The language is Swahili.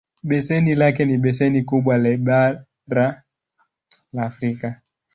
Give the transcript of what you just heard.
Beseni lake ni beseni kubwa le bara la Afrika.